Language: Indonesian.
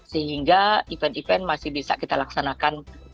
sehingga event event masih bisa kita laksanakan